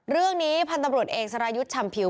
เรื่องนี้พันธุ์ตำรวจเอกสรายุทธ์ชำผิว